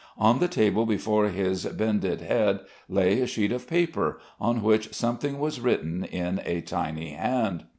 On the table, before his bended head, lay a sheet of paper on which something was written in a tiny hand.